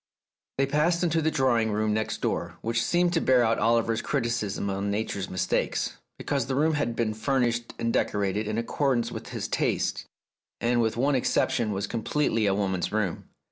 They passed into the drawing room next door, which seemed to bear out Oliver's criticism on Nature's mistakes, because the room had been fur nished and decorated in accordance with his tastes, and with one exception was completely a woman's room.